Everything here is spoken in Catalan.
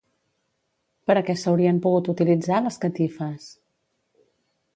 Per a què s'haurien pogut utilitzar les catifes?